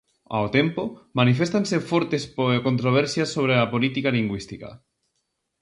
Ao tempo, maniféstanse fortes controversias sobre a política lingüística.